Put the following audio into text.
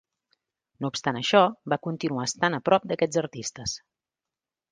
No obstant això, va continuar estant a prop d'aquests artistes.